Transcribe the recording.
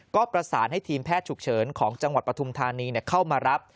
ก็ประสานให้ทีมแพทย์ฉุกเฉินของจังหวัดปฐุมธานีเข้ามารับ